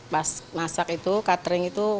pas masak itu catering itu